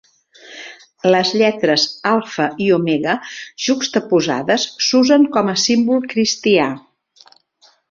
Les lletres Alfa i Omega juxtaposades s'usen com a símbol cristià.